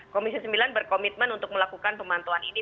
komisi sembilan berkomitmen untuk melakukan pemantauan ini